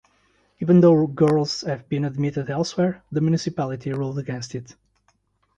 Even though girls had been admitted elsewhere the municipality ruled against it.